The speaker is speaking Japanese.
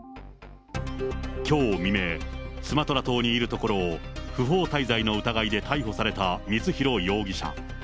きょう未明、スマトラ島にいるところを、不法滞在の疑いで逮捕された光弘容疑者。